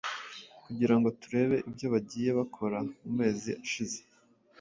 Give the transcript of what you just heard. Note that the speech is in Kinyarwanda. kugirango turebe ibyo bagiye bakora mumezi ahize,